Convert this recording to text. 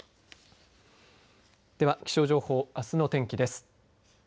では気象情報あすの天気です。